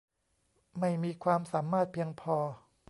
ไม่มีความสามารถเพียงพอ